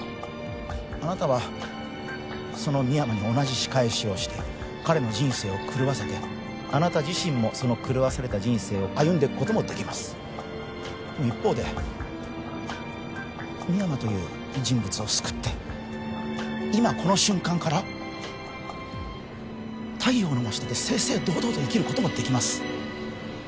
あなたはその深山に同じ仕返しをして彼の人生を狂わせてあなた自身もその狂わされた人生を歩んでいくこともできますでも一方で深山という人物を救って今この瞬間から太陽の真下で正々堂々と生きることもできます